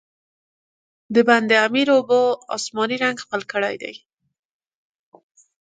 د بند امیر اوبو، آسماني رنګ خپل کړی دی.